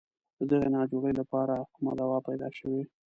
د دغې ناجوړې لپاره کومه دوا پیدا شوې.